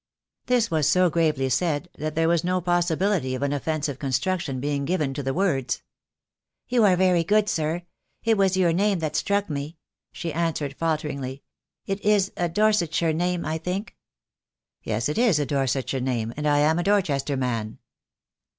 This was so gravely said that there was no possibility of an offensive construction being given to the words. "You are very good, sir. It was your name that struck me," she answered, falteringly; "it is a Dorset shire name, I think." "Yes, it is a Dorsetshire name, and I am a Dor chester man."